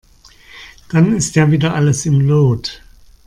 Dann ist ja wieder alles im Lot.